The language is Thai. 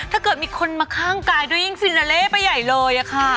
ถ้าเกิดมีคนมาข้างกายด้วยยิ่งฟินาเล่ไปใหญ่เลยค่ะ